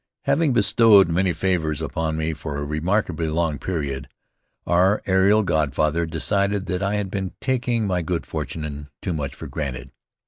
Having bestowed many favors upon me for a remarkably long period, our aerial godfather decided that I had been taking my good fortune too much for granted.